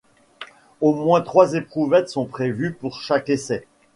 Au moins trois éprouvettes sont prévues pour chaque essai.